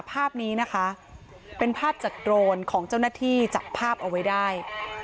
ภาพนี้นะคะเป็นภาพจากโดรนของเจ้าหน้าที่จับภาพเอาไว้ได้